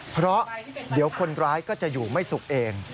เพราะเดี๋ยวคนร้ายก็จะอยู่ไม่สุขเอง